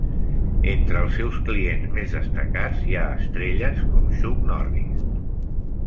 Entre els seus clients més destacats hi ha estrelles com Chuck Norris.